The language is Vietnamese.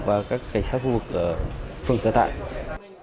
và các cảnh sát phương xã tại